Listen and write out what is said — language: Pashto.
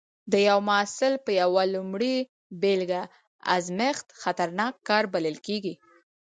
د یو محصول پر یوه لومړنۍ بېلګه ازمېښت خطرناک کار بلل کېږي.